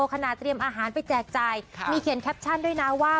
เตรียมอาหารไปแจกจ่ายมีเขียนแคปชั่นด้วยนะว่า